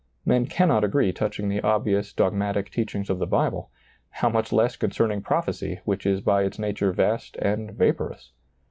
Men cannot agree touching the obvious dogmatic teachings of the Bible; how much less concerning prophecy, which is by its nature vast and vaporous.